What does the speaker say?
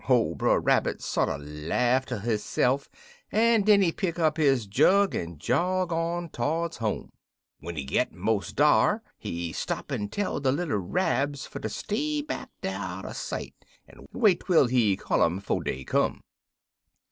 Ole Brer Rabbit sorter laugh ter hisse'f en den he pick up his jug en jog on to'rds home. When he git mos' dar he stop en tell de little Rabs fer stay back dar out er sight, en wait twel he call um 'fo' dey come.